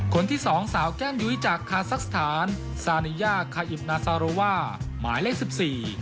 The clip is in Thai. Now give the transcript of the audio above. คนที่สองสาวแก้มยุ้ยจากคาซักสถานซานิยาคาอิปนาซาโรว่าหมายเลขสิบสี่